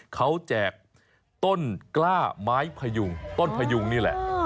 เขาแจกต้นกล้าไม้พยุงต้นพยุงนี่แหละ